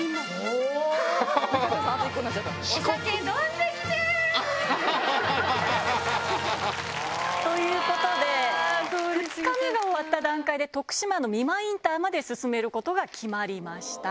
ハハハ！ハハハ！ということで２日目が終わった段階で徳島の美馬インターまで進めることが決まりました。